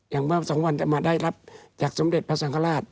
อย่างว่าวันสองวันจะมาได้รับจากสมเด็จพระสังคมราช